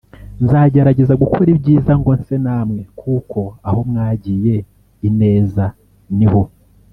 Nzagerageza gukora ibyiza ngo nse na mwe kuko aho mwagiye Ineza niho